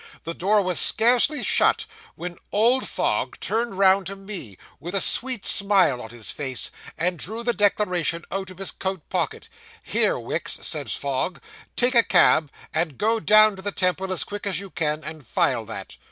The door was scarcely shut, when old Fogg turned round to me, with a sweet smile on his face, and drew the declaration out of his coat pocket. "Here, Wicks," says Fogg, "take a cab, and go down to the Temple as quick as you can, and file that.